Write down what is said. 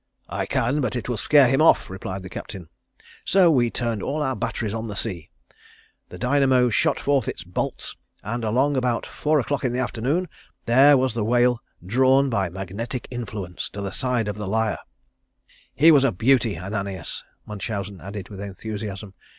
'I can, but it will scare him off,' replied the Captain. So we turned all our batteries on the sea. The dynamo shot forth its bolts and along about four o'clock in the afternoon there was the whale drawn by magnetic influence to the side of The Lyre. He was a beauty, Ananias," Munchausen added with enthusiasm.